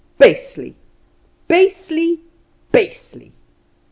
basely, basely, basely!"